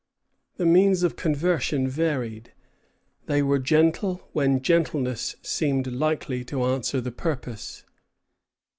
The means of conversion varied. They were gentle when gentleness seemed likely to answer the purpose.